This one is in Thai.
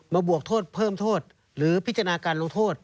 บวกโทษเพิ่มโทษหรือพิจารณาการลงโทษ